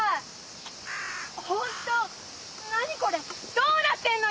どうなってるのよ！？